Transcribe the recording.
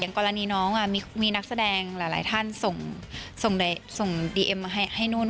กรณีน้องมีนักแสดงหลายท่านส่งดีเอ็มมาให้นู่น